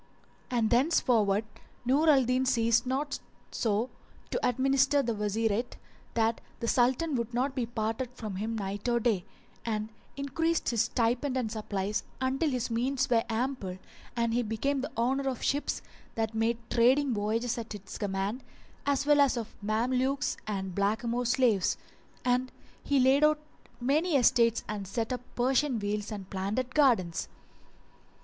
And thenceforward Nur al Din ceased not so to administer the Wazirate that the Sultan would not be parted from him night or day; and increased his stipend and supplies until his means were ample and he became the owner of ships that made trading voyages at his command, as well as of Mamelukes and blackamoor slaves; and he laid out many estates and set up Persian wheels and planted gardens.